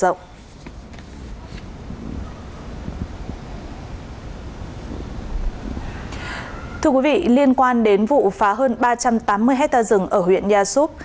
liên quan đến vụ phá hơn ba trăm tám mươi hectare rừng ở huyện nha súp cơ quan cảnh sát điều tra công an tp đắk lắc cho biết đã khởi tố vụ án hủy hoại rừng để tiếp tục điều tra mở rộng